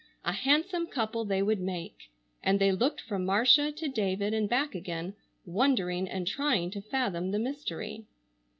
A handsome couple they would make! And they looked from Marcia to David and back again, wondering and trying to fathom the mystery.